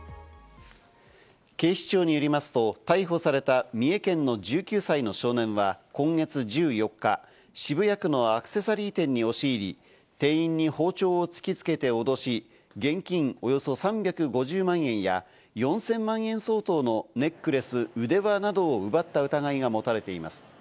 警視庁によりますと、逮捕された三重県の１９歳の少年は今月１４日、渋谷区のアクセサリー店に押し入り、店員に包丁を突きつけておどし、現金をおよそ３５０万円や、４０００万円相当のネックレス、腕輪などを奪った疑いが持たれています。